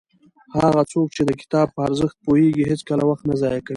هغه څوک چې د کتاب په ارزښت پوهېږي هېڅکله وخت نه ضایع کوي.